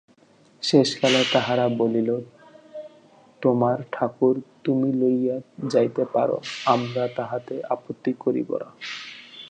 শেষকালে তাহারা বলিল–তোমার ঠাকুর তুমি লইয়া যাইতে পারো, আমরা তাহাতে আপত্তি করিব না।